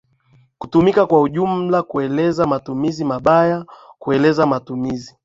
kutumika kwa ujumla kuelezea matumizi mabayakuelezea matumizi